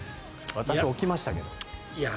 私、置きましたけど。